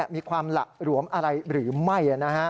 มีความหละหลวมอะไรหรือไม่